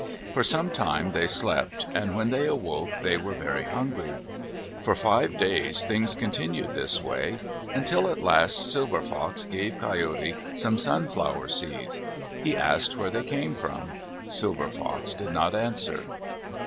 For some time they slept and when they awoke they were very hungry. For five days things continued this way, until at last Silver Fox gave Coyote some sunflower seeds. He asked where they came from. Silver Fox did not answer.